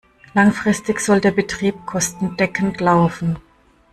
Langfristig soll der Betrieb kostendeckend laufen.